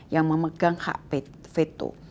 yang memegang hak veto